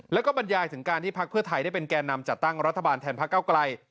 แล้วก็บรรยายถึงการที่พักเพื่อไทยได้เป็นแก่นำจัดตั้งรัฐบาลแทนพระเก้าไกล